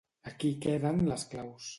Aquí queden les claus.